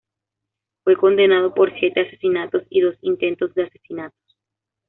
Fue condenado por siete asesinatos y dos intentos de asesinatos.